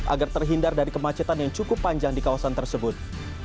agar terhindar dari kemacetan yang cukup panjang di kawasan tersebut